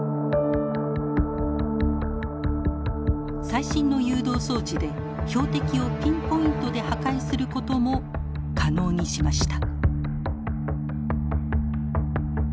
最新の誘導装置で標的をピンポイントで破壊することも可能にしました。